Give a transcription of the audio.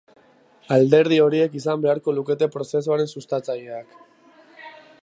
Alderdi horiek izan beharko lukete prozesuaren sustatzaileak.